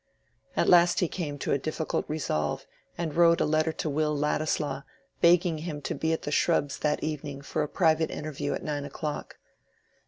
At last he came to a difficult resolve, and wrote a letter to Will Ladislaw, begging him to be at the Shrubs that evening for a private interview at nine o'clock.